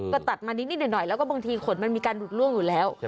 ก็ตัดมานิดหน่อยแล้วก็บางทีขนมันมีการหลุดล่วงอยู่แล้ว